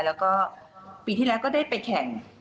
แล้วก็ปีที่แล้วก็ได้ไปแข่ง